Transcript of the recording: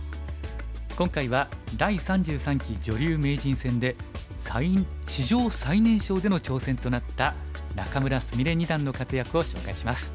今回は第３３期女流名人戦で史上最年少での挑戦となった仲邑菫二段の活躍を紹介します。